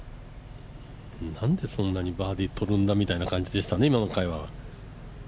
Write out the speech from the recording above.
なんでそんなにバーディーとるんだって感じでしたね、今の会話は。